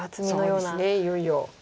いよいよ。